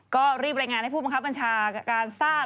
ก็รีบรายงานให้ภูมิพันธ์ชาการทราบ